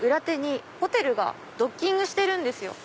ホテルがドッキングしてるんです。